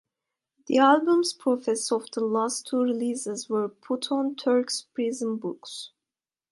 The albums profits of the last two releases were put on Turk's prison books.